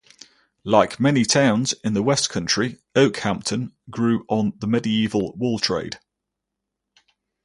Like many towns in the West Country, Okehampton grew on the medieval wool trade.